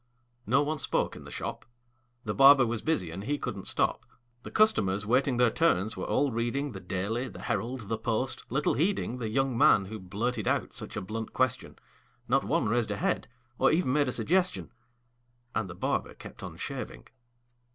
No one spoke in the shop: The barber was busy, and he couldn't stop; The customers, waiting their turns, were all reading The "Daily," the "Herald," the "Post," little heeding The young man who blurted out such a blunt question; Not one raised a head, or even made a suggestion; And the barber kept on shaving.